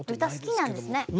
歌好きなんですね。